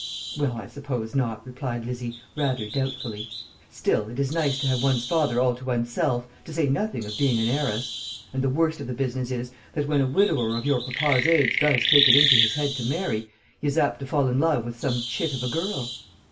"Well, I suppose not," replied Lizzie, rather doubtfully; "still it is nice to have one's father all to oneself to say nothing of being an heiress. And the worst of the business is, that when a widower of your papa's age does take it into his head to marry, he is apt to fall in love with some chit of a girl."